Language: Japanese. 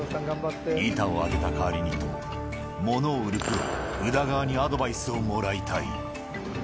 板をあげた代わりにと、ものを売るべく、宇田川にアドバイスをもらいたい。